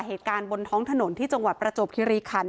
เหตุการณ์บนท้องถนนที่จังหวัดประจวบคิริคัน